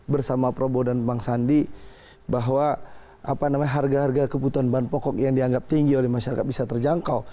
bersama prabowo dan bang sandi bahwa harga harga kebutuhan bahan pokok yang dianggap tinggi oleh masyarakat bisa terjangkau